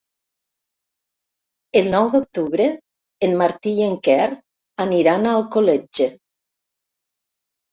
El nou d'octubre en Martí i en Quer aniran a Alcoletge.